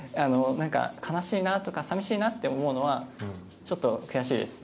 悲しいなとか寂しいなとか思うのはちょっと悔しいです。